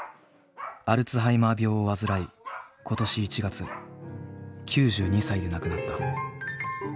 アルツハイマー病を患い今年１月９２歳で亡くなった。